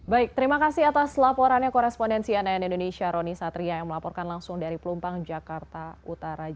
baik terima kasih atas laporannya korespondensi ann indonesia roni satria yang melaporkan langsung dari pelumpang jakarta utara